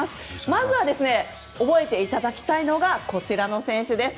まずは覚えていただきたいのがこちらの選手です。